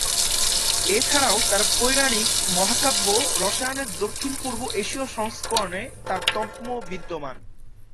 এছাড়াও তার পৌরাণিক মহাকাব্য রামায়ণের দক্ষিণপূর্ব এশীয় সংস্করণে তারতম্য বিদ্যমান।